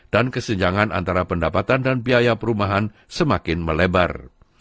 dan kesenjangan antara pendapatan dan biaya perumahan semakin melebar